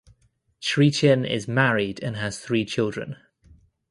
Chretien is married and has three children.